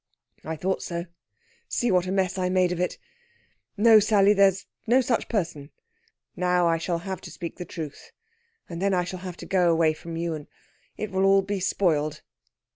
"I thought so. See what a mess I made of it! No, Sally, there's no such person. Now I shall have to speak the truth, and then I shall have to go away from you, and it will all be spoiled...."